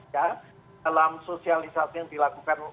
dalam sosialisasi yang dilakukan